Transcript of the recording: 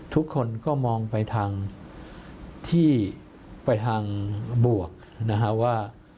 ทุกคนก็มองไปทางที่ไปทางบวกนะฮะว่า